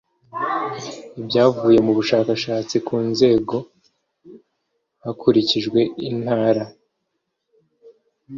ibyavuye mu bushakashatsi ku nzego hakurikijwe intara